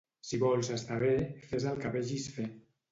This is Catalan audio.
Si vols estar bé, fes el que vegis fer.